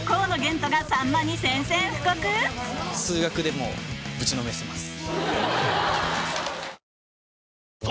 数学でもうぶちのめせます。